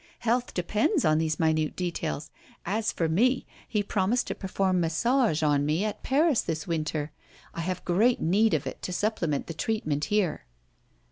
Health depends on these minute details. As for me, he promised to perform massage on me at Paris this winter. I have great need of it to supplement the treatment here."